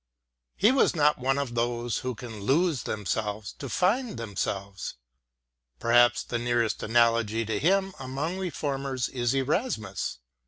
He was not one of those who can lose themselves to find themselves. Perhaps the nearest analogy to him among Reformers is Erasmus.